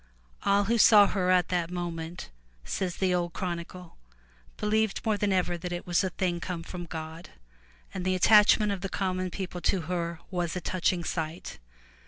*'A11 who saw her at the moment,'* says the old chronicle, "believed more than ever that it was a thing come from God,*' and the attachment of the common people to her was a touching sight.